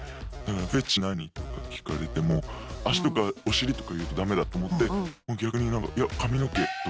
「フェチ何？」とか聞かれても足とかお尻とか言うとダメだと思って逆になんかいや髪の毛とか。